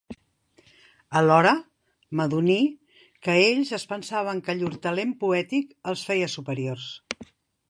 Alhora m'adoní que ells es pensaven que llur talent poètic els feia superiors